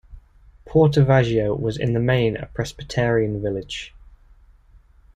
Portavogie was in the main a Presbyterian village.